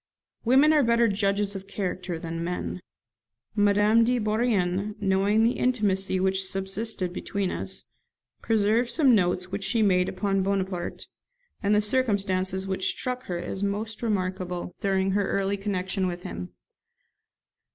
Women are better judges of character than men. Madame de Bourrienne, knowing the intimacy which subsisted between us, preserved some notes which she made upon Bonaparte, and the circumstances which struck her as most remarkable, during her early connection with him.